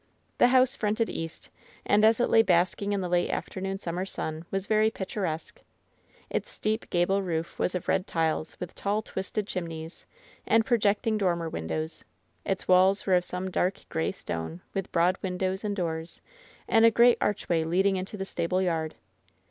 The house fronted east, and, as it lay basking in the late afternoon summer sun, was very picturesque. Its steep, gable roof was of red tiles, with tall, twisted chimneys, and projecting dormer windows; its walls were of some dark, gray stone, with broad windows and doors, and a great archway leading into the stable yard.